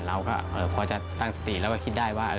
เราก็พอจะตั้งสติแล้วก็คิดได้ว่า